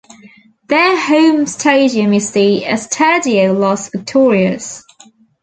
Their home stadium is the Estadio Las Victorias.